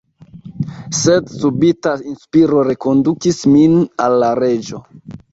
Sed subita inspiro rekondukis min al la Reĝo.